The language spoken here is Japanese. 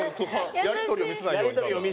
やり取りを見せないように。